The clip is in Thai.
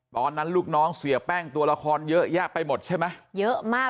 ลูกน้องเสียแป้งตัวละครเยอะแยะไปหมดใช่ไหมเยอะมาก